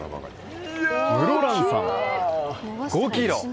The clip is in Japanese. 室蘭産で５ｋｇ。